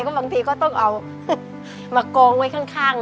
บางทีก็ต้องเอามากองไว้ข้าง